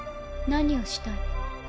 何をしたい？